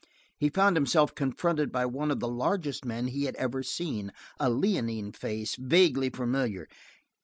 He found himself confronted by one of the largest men he had ever seen, a leonine face, vaguely familiar.